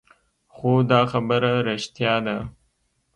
خو دا خبره رښتيا ده.